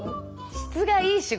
質がいい仕事？